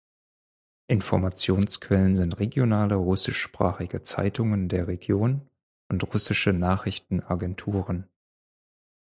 Informationsquellen sind regionale russischsprachige Zeitungen der Region und russische Nachrichtenagenturen.